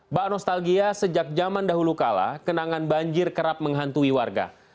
mbak nostalgia sejak zaman dahulu kala kenangan banjir kerap menghantui warga